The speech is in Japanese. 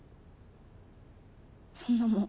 そんなもん。